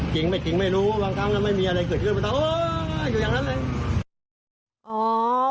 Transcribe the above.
จริงไม่รู้บางครั้งก็ไม่มีอะไรเกิดขึ้นอยู่อย่างนั้นเลย